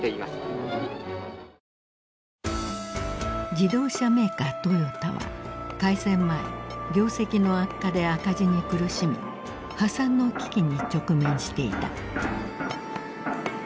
自動車メーカートヨタは開戦前業績の悪化で赤字に苦しみ破産の危機に直面していた。